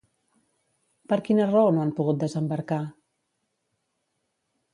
Per quina raó no han pogut desembarcar?